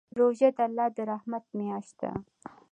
روژه د الله د رحمت میاشت ده.